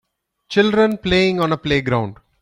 Children playing on a playground.